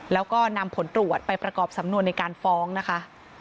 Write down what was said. แล้วก็นำผลตรวจไปประกอบสำนวนในการฟ้องนะคะ